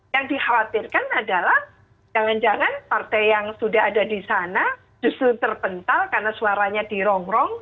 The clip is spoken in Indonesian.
yang dikhawatirkan adalah jangan jangan partai yang sudah ada di sana justru terpental karena suaranya dirongrong